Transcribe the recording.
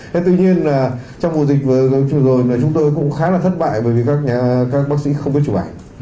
thế tuy nhiên là trong vụ dịch vừa rồi chúng tôi cũng khá là thất bại bởi vì các bác sĩ không biết chụp ảnh